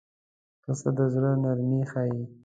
پسه د زړه نرمي ښيي.